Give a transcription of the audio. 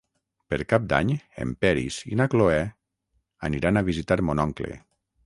Per Cap d'Any en Peris i na Cloè aniran a visitar mon oncle.